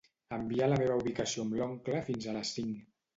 Envia la meva ubicació amb l'oncle fins a les cinc.